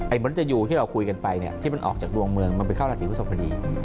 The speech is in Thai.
มนุษยูที่เราคุยกันไปเนี่ยที่มันออกจากดวงเมืองมันไปเข้าราศีพฤศพพอดี